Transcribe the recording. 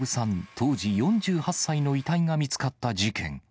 当時４８歳の遺体が見つかった事件。